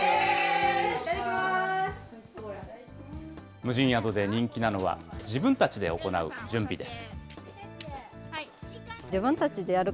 無人宿で人気なのは、自分たちで行う準備です。